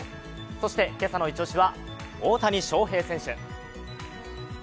そして今朝のイチ押しは大谷翔平選手。